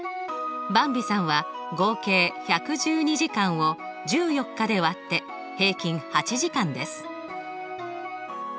ばんびさんは合計１１２時間を１４日で割って平均８時間です。